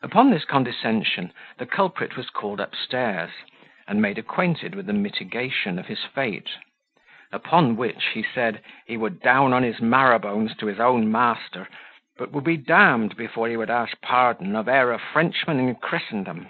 Upon this condescension the culprit was called up stairs, and made acquainted with the mitigation of his fate; upon which he said, he would down on his marrow bones to his own master, but would be d d before he would ask pardon of e'er a Frenchman in Christendom.